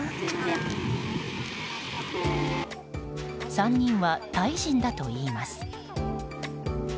３人は、タイ人だといいます。